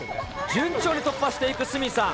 順調に突破していく鷲見さん。